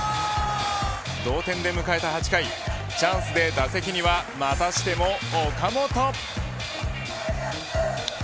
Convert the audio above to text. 同点で迎えた８回チャンスで打席にはまたしても岡本。